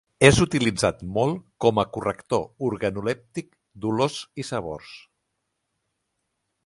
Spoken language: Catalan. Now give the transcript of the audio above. És utilitzat molt com a corrector organolèptic d'olors i sabors.